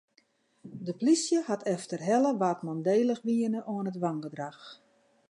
De polysje hat efterhelle wa't mandélich wiene oan it wangedrach.